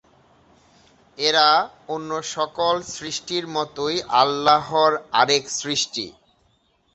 এরা অন্য সকল সৃষ্টির মতই আল্লাহর আরেক সৃষ্টি।